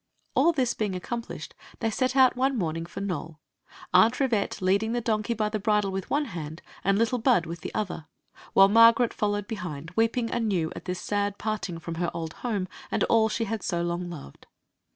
All this being accomplished, they set out one morning for Nole, Aunt Rivette leading the donkey by the bridle with one hand and little Bud with the other, while Margaret followed behind, weeping anew at this sad parting with her old home and all she had so long loved.